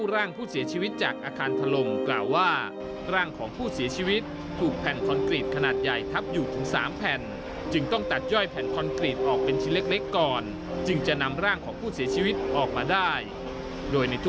รอเอิร์ตจะเอาไปทำบุญทำอะไรอย่างนี้